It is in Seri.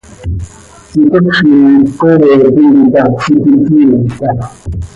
Icozim ccooo tintica iti cömiipca.